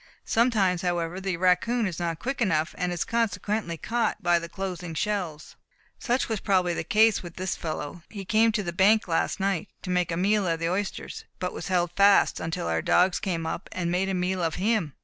Sometimes, however, the raccoon is not quick enough, and is consequently caught by the closing shells. Such was probably the case with this fellow; he came to the bank last night to make a meal of the oysters, but was held fast until our dogs came up and made a meal of him."